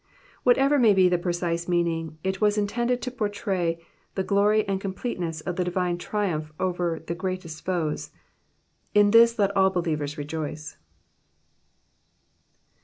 Whatever may be the precise meaning, it was intended to pourtray the glory and completeness of the divine triumph over the greatest foes. In this let all believers rejoice.